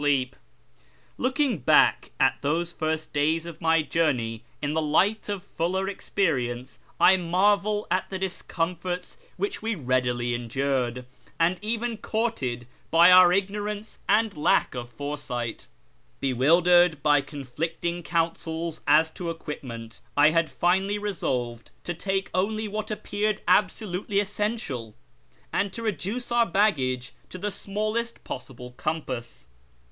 FROM ENGLAND TO THE PERSIAN FRONTIER 25 Looking back at those first days of my journey in the light of fuller experience, I marvel at the discomforts which we readily endured, and even courted by our ignorance and lack of foresight. Bewildered by conflicting counsels as to equipment, I had finally resolved to take only what appeared absolutely essential, and to reduce our baggage to the smallest possible compass.